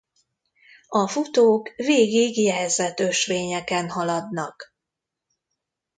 A futók végig jelzett ösvényeken haladnak.